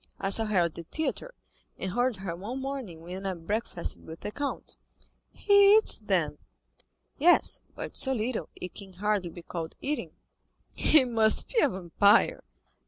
I saw her at the theatre, and heard her one morning when I breakfasted with the count." "He eats, then?" "Yes; but so little, it can hardly be called eating." "He must be a vampire."